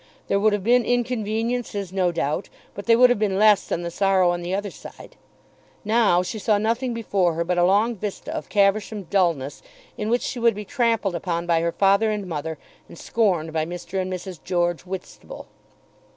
There would have been inconveniences no doubt, but they would have been less than the sorrow on the other side. Now she saw nothing before her but a long vista of Caversham dullness, in which she would be trampled upon by her father and mother, and scorned by Mr. and Mrs. George Whitstable.